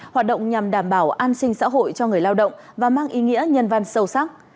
hoạt động nhằm đảm bảo an sinh xã hội cho người lao động và mang ý nghĩa nhân văn sâu sắc